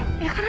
ya kan ada dia